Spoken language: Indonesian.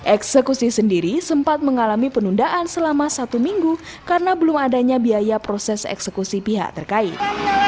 eksekusi sendiri sempat mengalami penundaan selama satu minggu karena belum adanya biaya proses eksekusi pihak terkait